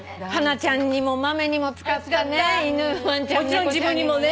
もちろん自分にもね。